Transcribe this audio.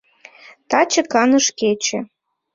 Таче каныш кече!